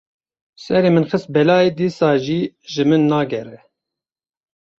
Serê min xist belayê dîsa jî ji min nagere.